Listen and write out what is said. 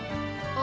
あ？